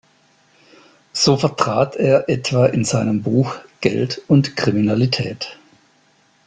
So vertrat er etwa in seinem Buch "Geld und Kriminalität.